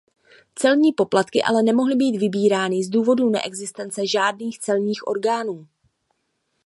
Celní poplatky ale nemohli být vybírány z důvodu neexistence žádných celních orgánů.